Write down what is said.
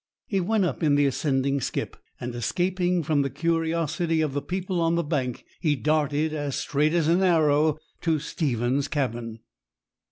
He went up in the ascending skip, and, escaping from the curiosity of the people on the bank, he darted as straight as an arrow to Stephen's cabin.